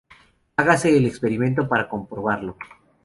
Hágase el experimento para comprobarlo.